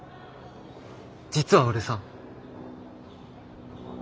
実は俺さ。